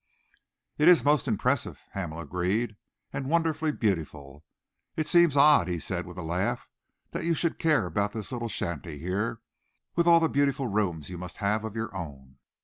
"It is most impressive," Hamel agreed, "and wonderfully beautiful. It seems odd," he added, with a laugh, "that you should care about this little shanty here, with all the beautiful rooms you must have of your own."